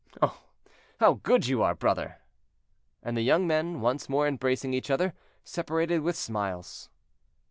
"Oh! how good you are, brother!" And the young men, once more embracing each other, separated with smiles.